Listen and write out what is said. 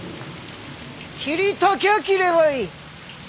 斬りたきゃ斬ればいい。